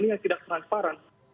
ini yang tidak transparan